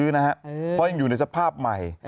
เพราะยังเป็นในภาพใหม่